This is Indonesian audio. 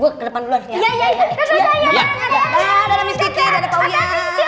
ke depan luar ya ya ya ya ya ya